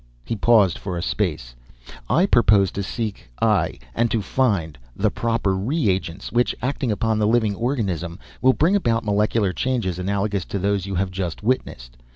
He paused for a space. "I purpose to seek—ay, and to find—the proper reagents, which, acting upon the living organism, will bring about molecular changes analogous to those you have just witnessed.